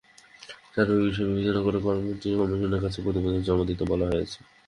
সার্বিক বিষয় বিবেচনা করে কমিটিগুলোকে কমিশনের কাছে প্রতিবেদন জমা দিতে বলা হয়েছে।